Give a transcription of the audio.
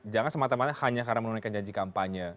jangan semata mata hanya karena menunaikan janji kampanye